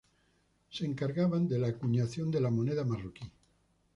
Se encargaban de la acuñación de la moneda marroquí.